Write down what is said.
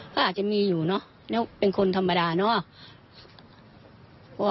ก็อาจจะมีอยู่เนอะแล้วเป็นคนธรรมดาเนาะ